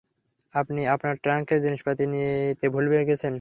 আপনি আপনার ট্রাংকের জিনিসপাতি নিতে ভুলে গেছেন।